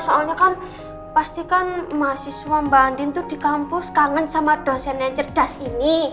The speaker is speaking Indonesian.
soalnya kan pastikan mahasiswa mbak andin itu di kampus kangen sama dosen yang cerdas ini